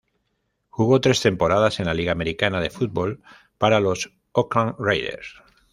Jugó tres temporadas en la Liga Americana de Football para los Oakland Raiders.